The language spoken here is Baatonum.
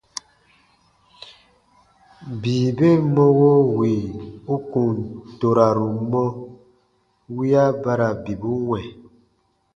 Bii ben mɔwo wì u kùn toraru mɔ, wiya ba ra bibu wɛ̃.